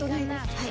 はい。